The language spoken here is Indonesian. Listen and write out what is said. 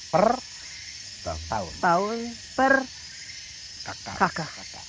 per tahun per kaka